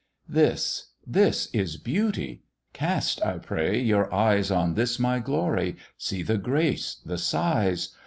"This, this! is beauty; cast, I pray, your eyes On this my glory! see the grace! the size!